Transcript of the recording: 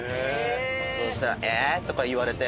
そしたら「ええっ」とか言われて。